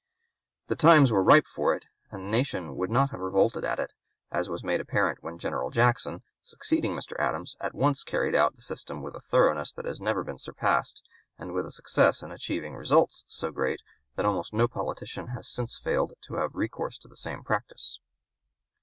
The times were ripe for it, and the nation would not have revolted at it, as was made apparent when General Jackson, succeeding Mr. Adams, at once carried out the system with a thoroughness that has never been surpassed, and with a success in achieving results so great that almost no politician has since failed to have recourse to the same practice.